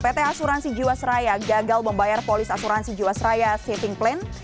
pt asuransi jiwasraya gagal membayar polis asuransi jiwasraya saving plan